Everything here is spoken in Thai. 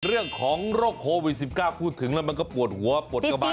เรื่องของโรคโควิด๑๙พูดถึงแล้วมันก็ปวดหัวปวดกระบาด